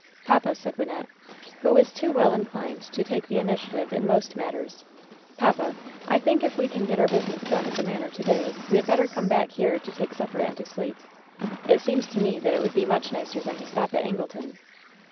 "Papa," said Wynnette, who was too well inclined to take the initiative in most matters, "papa, I think if we can get our business done at the manor to day, we had better come back here to take supper and to sleep. It seems to me that it would be much nicer than to stop at Angleton."